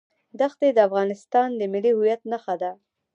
دښتې د افغانستان د ملي هویت نښه ده.